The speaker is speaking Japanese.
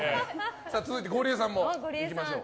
続いてゴリエさんもいきましょう。